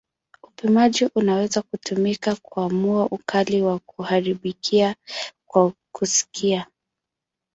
Upimaji unaweza kutumika kuamua ukali wa kuharibika kwa kusikia.